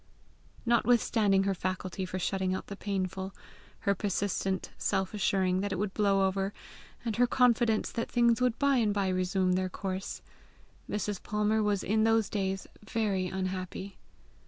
Notwithstanding her faculty for shutting out the painful, her persistent self assuring that it would blow over, and her confidence that things would by and by resume their course, Mrs. Palmer was in those days very unhappy.